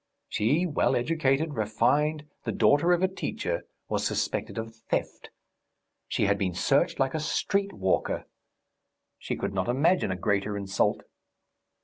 She, well educated, refined, the daughter of a teacher, was suspected of theft; she had been searched like a street walker! She could not imagine a greater insult.